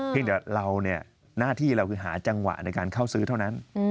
เดี๋ยวเราเนี่ยหน้าที่เราคือหาจังหวะในการเข้าซื้อเท่านั้น